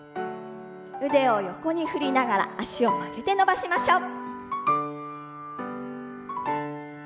腕を横に振りながら脚を曲げて伸ばしましょう。